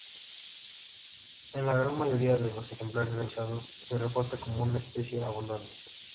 En la gran mayoría de los ejemplares revisados se reporta como una especie abundante.